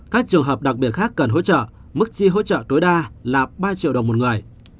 các trường hợp đặc biệt khác cần hỗ trợ mức chi hỗ trợ tối đa là ba triệu đồng một người